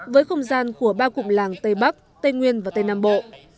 với không gian của ba cụm làng tây bắc tây nguyên và tây nam bộ